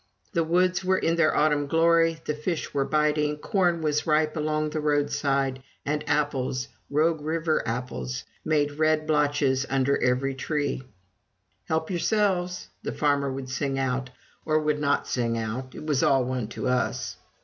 The woods were in their autumn glory, the fish were biting, corn was ripe along the roadside, and apples Rogue River apples made red blotches under every tree. "Help yourselves!" the farmers would sing out, or would not sing out. It was all one to us.